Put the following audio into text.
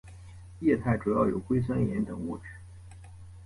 液态主要有硅酸盐等物质。